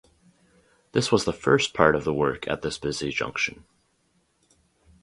This was the first part of the work at this busy junction.